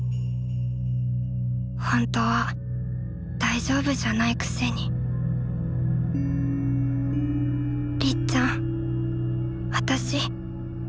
ほんとは大丈夫じゃないくせにりっちゃん私